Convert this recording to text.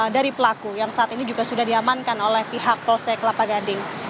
dari pelaku yang saat ini juga sudah diamankan oleh pihak polsek kelapa gading